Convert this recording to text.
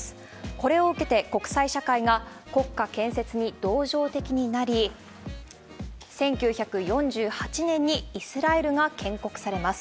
これを受けて国際社会が国家建設に同情的になり、１９４８年にイスラエルが建国されます。